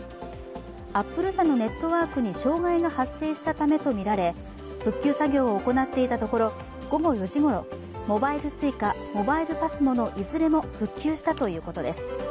アップル社のネットワークに障害が発生したためとみられ復旧作業を行っていたところ、午後４時ごろ、モバイルＳｕｉｃａ、モバイルＰＡＳＭＯのいずれも復旧したということです。